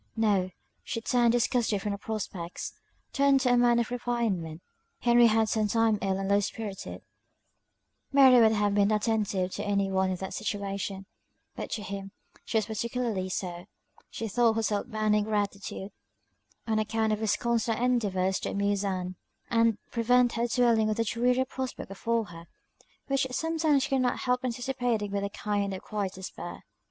No: she turned disgusted from the prospects turned to a man of refinement. Henry had been some time ill and low spirited; Mary would have been attentive to any one in that situation; but to him she was particularly so; she thought herself bound in gratitude, on account of his constant endeavours to amuse Ann, and prevent her dwelling on the dreary prospect before her, which sometimes she could not help anticipating with a kind of quiet despair.